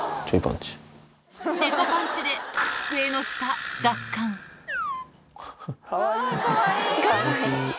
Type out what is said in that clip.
猫パンチでうわかわいい。